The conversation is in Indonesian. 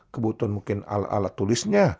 kebutuhan mungkin alat alat tulisnya